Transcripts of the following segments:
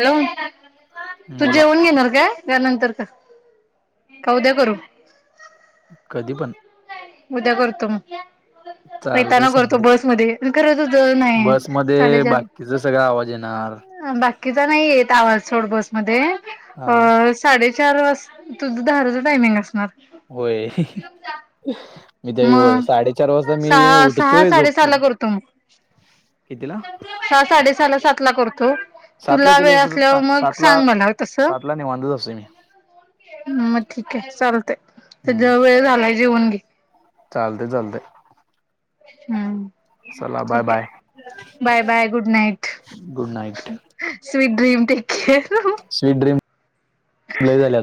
Hello तू बोला जेवण घेणार का त्यानंतर का. उद्या करू. कधी पण. उद्या करतोम. चालतय येताना करतो समजे बसमध्येध्ये खर त ज आहे बसमध्ये साडेचार. बाकीचा सगळा आवाज येणार बाकीचा नाही येत आवाज थोड बस. हा मध्ये साडेचार वाज तुझं दहाच टायमिंग असणार. होय. मी त्याय मग साडेचार वाजता मी सहा सहा उठतोय साडेसहा ला झोपून. करतो मग कितीला सहा साडे सहा ला सात ला करतो. सातला तुला गेलो वेळ तर असल्यावर मग सातला सांग मला तस. सातला निवांतच असतोय मी म मग ठीक आहे चालतय त्या ज वेळ झालाय जेवन. घे चालते चालते. हम् ठीक आहे bye bye good night. Good night sweet dream टखे. स्वीट ड्रीम लय झाले.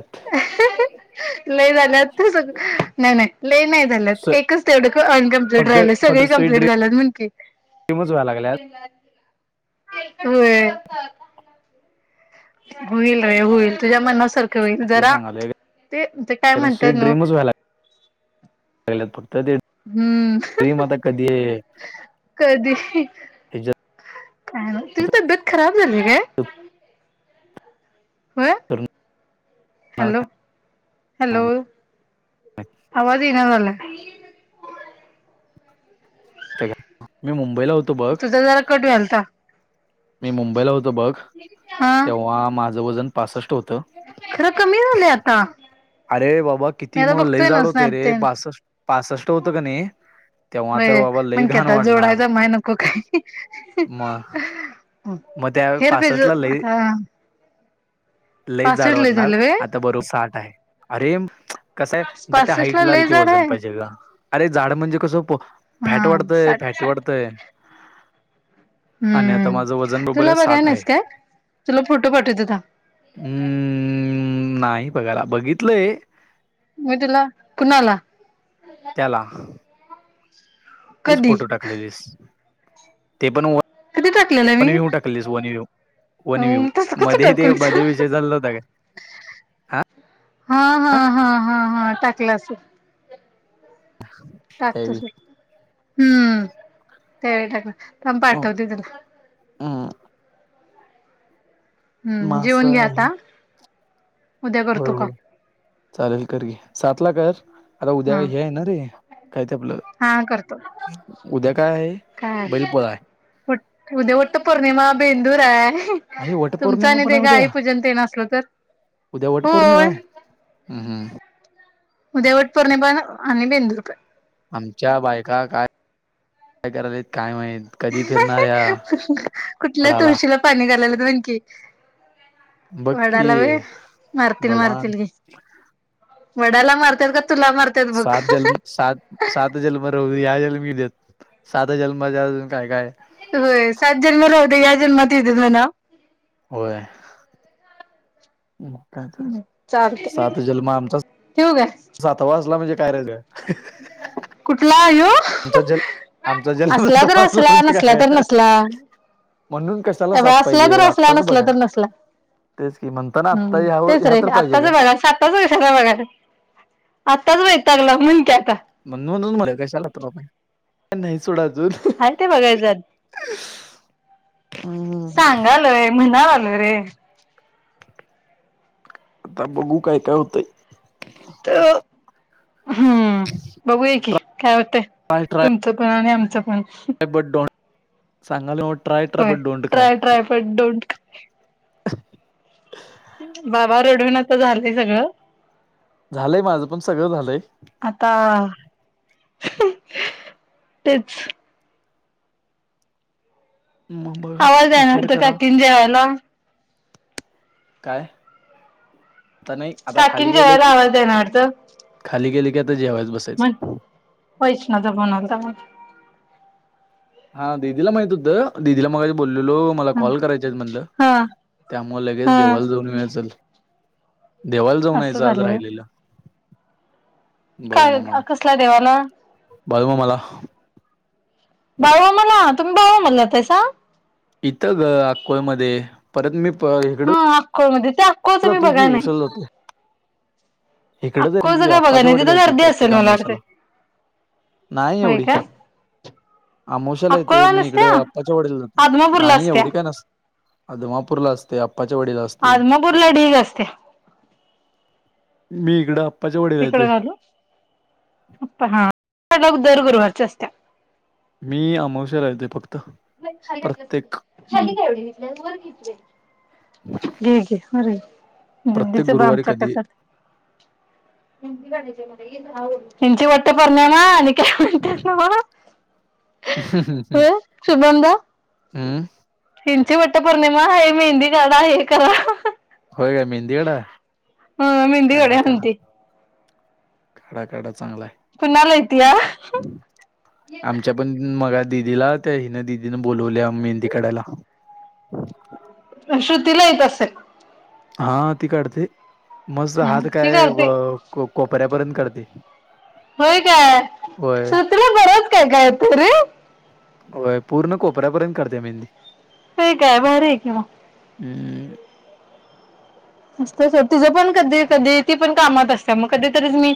लय जाू सग नाही नाही. नाही नाही झालंत एकच तेवढं अनकमप्लीट फक्त राहिलं फक्त सगळे स्वीट कंप्लीट झालंत म्हणकीी. ड्रीमच व्हायला लागल्यात होम्. होईल र होईल तुझ्या मनासारखं. ते जरा सांगालोय ते ते काय कारण म्हणतात स्वीट न ड्रीमच व्हायला फक्त तेम आता कधी कधी काय ना तुझ तब्येत खराब झाली काय [unintelligible] हं उतरणार हॅलो काय हॅलो आवाज येईना झाला आणि [unintelligible] मी मुंबई [unintelligible] तुझं जरा कटूलता मी मुंबईला होतो बघ तेव्हा माझं वजन पासष्ट होतं खर कमी झाले आता अरे बाबा मी किती आता मग लई बघतोय ना जाड होते रे स्नॅप तेन पासष्ट होतं की नाही तेव्हा तर वाय बाबा लई मंकी घाण जोडा वाढणार जमाया नको का मग मग त्या हेर बेज पासष्टला मता [unintelligible] लई जाड वाटणार आता बरोबर ताट हाय अरे पासष्ट ला हाईटला लय कसं झाड वजन आहे पाहिजे अरे झाड म्हणजे कसं फॅट हा वाढत साठ फॅट साठ वाढतं आणि आता हम्म माझं वजन तुला बघाय ठ नाहीस काय तुला फोटो पाठवते थांब [unintelligible] नाही बघायला बघितलंय मी तुला कुणाला त्याला तूच कधी फोटो टाकलेले ते पण व कधी टाकलेलं वन मी व्यहू टाकले वन यु होन मी तसं कसं मध्ये टाकू ते मी मध्ये विषय चालला होता का हा [unintelligible] हा हा हा हा हा टाकलं असे टाकतो त्यावेळी सु हम्म त्यावेळी टाक थांब हो, पाठवते तुला हम्म हम्म जेवन मासं घ्या आहे आता उद्या होय करतो कॉल होय चालेल कर घी साचला कर आता उद्या हा का हे आहे ना रे [unintelligible] काय ते आपलं हा करतो उद्या काय आहे काय बैलपोळा आहे उद्या उठ पोर्णिमा बेंदूर आहे. अ वट तुमचं पौर्णिमा आणि पण ते आहे उद्या गाई पूजन तेन असलं तर उद्या वट पौर्णिमा होय. आहे [inaudible] हम हम् उद्या वटपौर्णिमा बेंदूर पण. आमच्या बायका काय काय करालत. काय माहीत कधी फिरणार कुठल्या वडाला. तुळशीला [unintelligible] की बघ की वडाला होय मारतील मारतील भगवान की. वडाला मारतार का तुला मारत्यात बघ. सात जन्म सात सात जन्म ह्या जन्मी देत. म ना [unintelligible] होय. का तर चालतंय सात जन्म आमचा ठेवू काय सातवा असला म्हणजे काय राहिलय. कुठला यो? आमचा जन्म असल्या तर सातवा असला, म्हणजे नसला काय तर आहे? नसला. म्हणून कशाला अ सात असला पाहिजे तर असला आत्ताच नसला बघा तर नसला तेच की म्हणताना [unintelligible] हम आत्ता ह्या तेच ह्या रेल तर पाहिजे का आत्ताचं बघा साताच वर्षाचा बघाय. तस तगलाक्या [unintelligible] म्हण म्हणून मर कशाला तरबा नाही सुडत [unintelligible] हाय ते बघायच हम्म, सांगालय म्हणाला अरेरे आता बघू काय काय होतंय. तर हम्म बघू यायकी. काय वाटतंय ट्राय ट्राय तुमचं पण आणि आमचं पण. बट सांगाल म ट्राय करा होय but don't cry try try but don't बाबा रडून नको झालंय सगळं. झालंय माझं पण सगळं झालंय. आता तेच मग बघा आवाज विचार येईनात करा काकीन जेवायला. काय? आता नाही आता खाली काकीन गेले जेवायला की आवाज द्यायना खाली गेले की आता जेवायच बसायचं म्हन वैष्णव चा फोन आलता म्हण. हा दिदीला माहित होतं दीदीला मगा बोल मला हा कॉल करायच्या म्हणलं हा त्यामुळे लगेच हा देवाला जाऊन येऊ या असं. देवाला जाऊन असं यायचं आज झालं व्हय राहिलेलं. काय बाळूमामाला कसला देवाला? बाळूमामाला बाऊ म्हणा तुम्ही बाऊ म्हणला तसा. इथं ग अकोळ मध्ये परत मी हा आकोळ मधे [inaudible] [unintelligible] इकडेच अक्कोळचं आहे काय बघाय आप्पाच्या नाही वडीला तिथं येतोय गर्दी प्रत्येक असेल मला वाटतंय अमावस्येला. नाही होय एवढी. काय अमोशाला येते अक्कोळला मी नसत्या इकडं अप्पाच्या वाडील आदमापूरला नाही असत्या एवढी काय नसते. आदमापुर ला असते. आप्पाच्या वाडीला असते आदमापूरला ढीग असते. मी इकडं. आप्पाच्या वाडीला इकड येतोय काग हा दर गुरुवारच्या असते त्या. मी. नाही खाली घातल्या प्रत्येक खाली का एवढ घेतल्या वर घेतले. घे घे प्रत्येक गुरुवारी दीदीचं कधी कसं असतं बघ आमच्या. मेहंदी काढायची आहे का? यांची वटपोर्णिमा आणि काय म्हणतात नव ह ह [unintelligible] ह वटपौर्णिमा आहे मेहंदी कढा हे करा हो का मेहंदी ह मेहंदी काढा काढूया काढ म्हणती काढा काढ चांगले कुणाला येतीया आमच्या पण मग दिदीला त्या हिनं दिदीनं बोललावल्या मेहंदी काढयला श्रुतीला येत असेल हा ती करते मस्त हात ती काय करते कोपऱ्यापर्यंत काढते होय काय होय श्रुतीला बरच काय काय तरे होय पूर्ण कोपऱ्यापर्यंत काढते मेहंदी हे काय भारी आहे की मग हम त तिझं पण कधी कधी ती पण कामात असते मग कधीतरी मी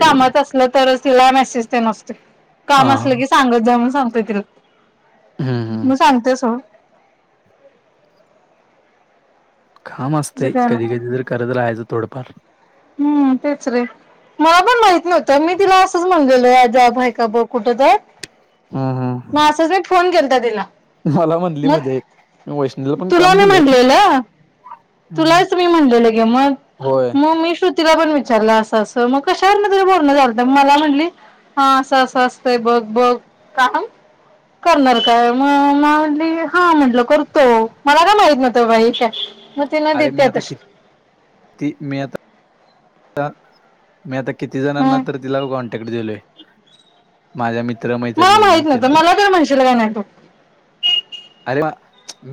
कामच असले तर तिला मेसेज असतो हा काम असलं की सांगत जा म्हण सांगतोय तिला हम्म हम्म मी सांगते स कााम तसं असते काय कधी नाही कधी तररी करत राहायचं थोडंफार हम्म तेच रे मला पण माहित नव्हतं मी तिला असंच म्हणलेल अजबय का ब कुठ तर हम्म मा हम्म असच म फोन केता दिला मला म्हणली मग मध्ये मी वैष्णवीला पण तुला काम मी दिलंय. म्हटलेलं हम्म तुलाच मी म्हणलेलं क मग होय म मी तिला पण विचारलं अस अस मग कशावर तरी बोलण झालं म मला म्हटली हा अस असतय बघ बघ का करणार काय मग म्हटली हा म्हटलं करतो मला काय माहित नव्हत बाई काय म अरे मी नादित्य आता तश किती मी आता मी आता किती जणांना हम्म तर तिला कॉन्टॅक्ट दिलोय माझ्या मित मला मैत्रीणींना न माहित त्यां नव्हतं मला तर म्हणशील काय नाही तू अरे वा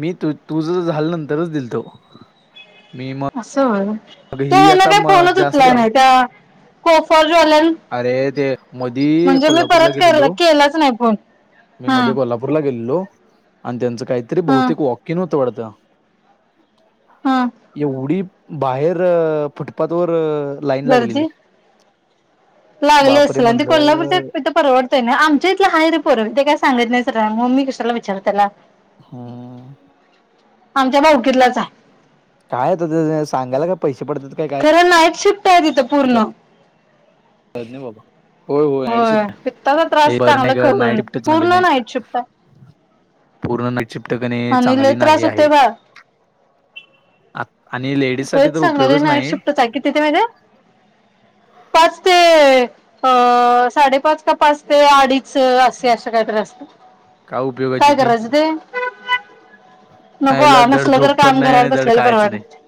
मी तू तुझ झाल्या नंतरच दिलतो मी असं हो मग तो ही हे ना आता काय म फोनच जास्त उचला नाही त्या कोफर ज्वालन अरे ते मधी म्हणजे मी कोल्हापूरला परत गेलेलो. केलाच नाही फोन मी हा मध्ये कोल्हापूरला गेलो आणि त्यांच काहीतरी हा बहुतेक वॉकिंग होत पत हा एवढी बाहेर फुटपाथ वर लाईन लागलेली गर्दी लागले बापरे! असेल आणि ते म्हणलं कोल्हापूरच्या परवडतय ना आमच्या इथलं आहे रे परवी ते काय सांगत नाही मम्मी कशाला विचार त्याला हा आमच्या भावकीतलाच आहे काय सांगायला का पैसे पडतात काय काय खरं नाईट शिफ्ट आहे तिथं पूर्ण होज नाही बाबा होय हो नाईड होय शिफ्ट पित्ताचा हे त्रास बर चांगला नाही कर नाईट खवळून शिफ्टच झाले पूर्ण नाही नाईट शिफ्ट आहे पूर्ण नाईट शिप्टकणे आणि लय चांगली नाही त्रास आहे होतोय बाळ आणि लेडीजसाठी होयच तर सांगले उपयोगच नाईट नाही. शिफ्ट चा की तिथे म्हणज पाच ते अ साडे पाच पाच ते अडी स असी अशे काहीतरी असत काय उपयोगाची काय ती कराज ते नको याला धड नसलं तर झोप पण काम नाही घरात आणि धड बसलेलं कायच नाही परवडतंय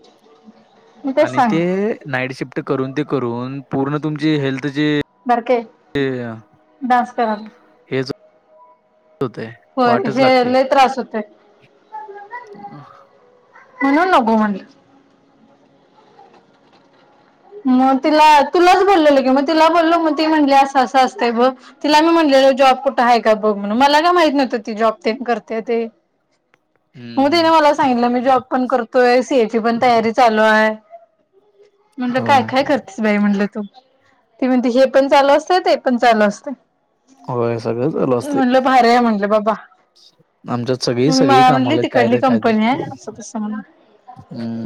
मी तेच आणि ते सांगते नाईट शिफ्ट करून ते करून पूर्ण तुमची हेल्थ बरक ांस करला हेच होतय होय वाटच हे लागते. लय त्रास होतय. म्हणून नघो म्हणलं. मग तिला तुलाच बोललेल कि मग तिला बोललो मग ती म्हटली असं असं अस ब तिला मी म्हणलेल जॉब कुठं आहे का बघ म्हण मला का माहित नवतं. जॉब ते करते ते. हम्म मग तिने हम्म मला सांगितलं मी जॉब पण करतोय सीए ची पण तयारी चालू आहे. म्हणलं काय होय काय करतेस बाई म्हणटलं तू ते म्हणते हे पण चालू असते ते पण चालू असते. होय सगळं चालू असतय. म्हणलं भारी आहे म्हणलं बाबा. आमच्यात सगळी सगळी मला म्हटली कामाला आहेत काय तिकडली तर काय कंपनी तर आहे असं तस म्हणा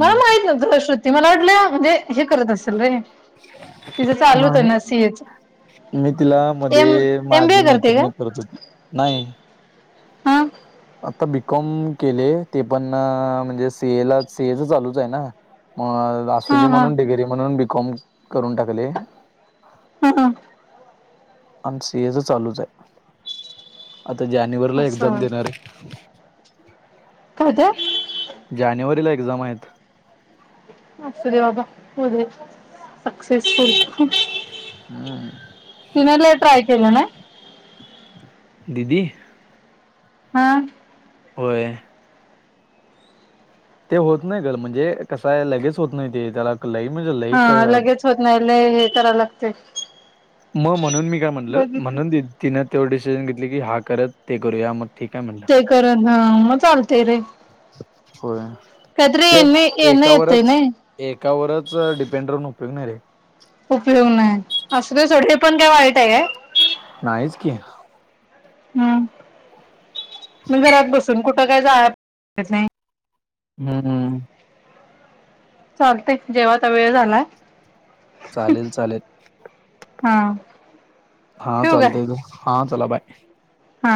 मला माहित नव्हतं श्रुती मला वाटल्या म्हणजे हे करत असेल रे. तिथं चालूत आहे नाही. ना सीएच. मी तिला एम मध्ये एम बी माझी ए करते का मैत्रिणी करत होती नाही. हा आता बीकॉम केले ते पण म्हणजे सेएला सेएच चालूच आहे ना. म हा असुंदी हा म्हणून डिग्री म्हणून बीकॉम करून टाकले. हम् हम आणि सीएच चालूच आहे आता जानेवारीला एक्झाम असं देणार आहे. काय ते जानेवारीला एक्झाम आहेत. असू दे बाबा हो सक्सेसफुल. हम्म तून लय ट्राय केलं ना? दिदी. हा. होय. ते होत नाही गल म्हणजे कसाय लगेच होत नाही ते त्याला लई म्हणजे लई हा लगेज होत नाहीय हे तरा लागते. मग म्हणून मी काय म्हटलं बघितलं म्हणून तिनं तेवढ डिसिजन घेतली की हा करत ते करू या मग ठीक आहे म्हणलं. ते करत हा मग चालते रे. होय काहीतरी ये येणं येतय नाइ? त्या वरच डिपेंड राहून उपयोग नाही रे. उपयोग नाही असुदे सोड हे पण काय वाईट आहे काय? नाहीच की. हम्म मी घरात [unintelligible] हम्म. चालते जेवा आता वेळ झालाय. चालेल चालेल हा हा चालतय. हा चला बाय. हा.